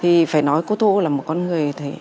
thì phải nói cô thu là một con người